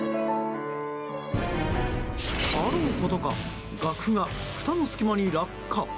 あろうことか楽譜がふたの隙間に落下。